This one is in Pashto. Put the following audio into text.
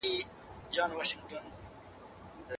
د واک د دوام فکر يې نه درلود.